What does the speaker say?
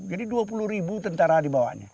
jadi dua puluh ribu tentara dibawanya